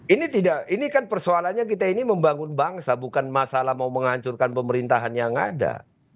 ini tidak ini kan persoalannya kita ini membangun bangsa bukan masalah mau menghancurkan pemerintahan yang ada